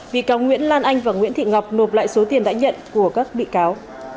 bị cáo nguyễn lan anh và nguyễn thị ngọc nộp lại số tiền đã nhận của các bị cáo